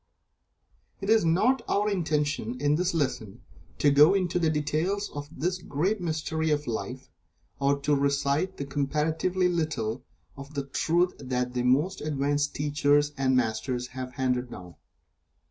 It is not our intention, in this lesson, to go into the details of this great mystery of Life, or to recite the comparatively little of the Truth that the most advanced teachers and Masters have handed down.